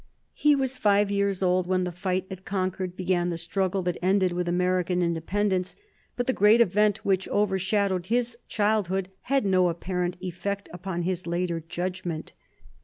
He was five years old when the fight at Concord began the struggle that ended with American Independence, but the great event which overshadowed his childhood had no apparent effect upon his later judgment.